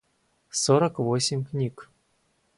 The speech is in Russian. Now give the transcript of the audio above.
сорок восемь книг